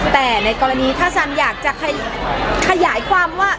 แต่ในกรณีถ้าซันอยากจะขยายความว่า